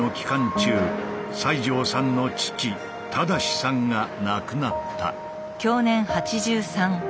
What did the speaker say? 中西城さんの父正さんが亡くなった。